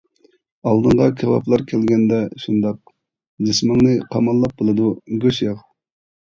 ئالدىڭغا كاۋاپلار كەلگەندە شۇنداق، جىسمىڭنى قاماللاپ بولىدۇ گۆش-ياغ.